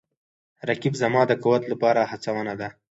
رقیب زما د قوت لپاره هڅونه ده